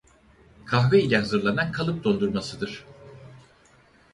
Kahve ile hazırlanan kalıp dondurmasıdır.